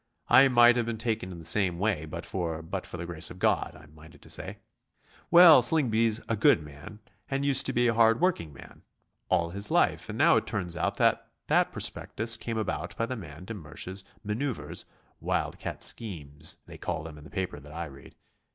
I might have been taken in the same way but for for the grace of God, I'm minded to say. Well, Slingsby's a good man, and used to be a hard working man all his life, and now it turns out that that prospectus came about by the man de Mersch's manoeuvres "wild cat schemes," they call them in the paper that I read.